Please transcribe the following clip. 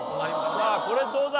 さあこれどうだ？